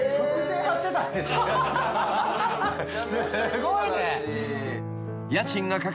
すごいね。